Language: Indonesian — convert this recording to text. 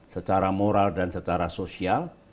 secara moral dan secara sosial